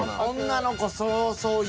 女の子そうそう。